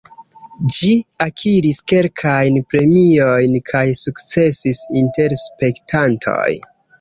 Ĝi akiris kelkajn premiojn kaj sukcesis inter spektantoj.